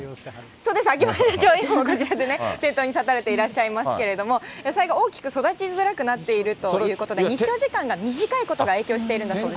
そうです、あきば社長今こちらで店頭に立たれていますけれども、野菜が大きく育ちづらくなっているということで、日照時間が短くなっていることが影響しているんだそうです。